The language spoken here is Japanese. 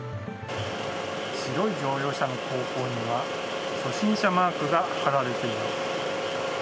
白い乗用車の後方には初心者マークが貼られています。